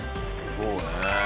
そうね。